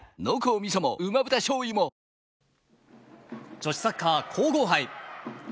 女子サッカー皇后杯。